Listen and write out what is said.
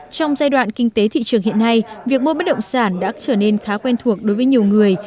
trong giai đoạn kinh tế thị trường hiện nay việc mua bất động sản đã trở nên khá quen thuộc đối với nhiều người